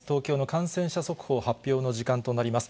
東京の感染者速報、発表の時間となります。